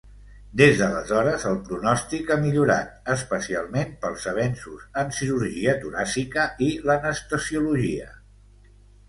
Des d'aleshores, el pronòstic ha millorat, especialment pels avenços en cirurgia toràcica i l'anestesiologia.